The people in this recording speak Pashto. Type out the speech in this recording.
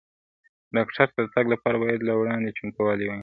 ډاکټر ته د تګ لپاره باید له وړاندې چمتووالی ونیول شي.